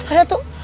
ah pak datu